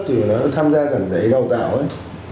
thì nó tham gia cả giải đào tạo ấy